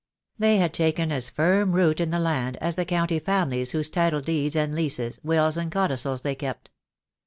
They had taken as firm root in the land as the county families whose title deeds and leases, wills and codicils they kept.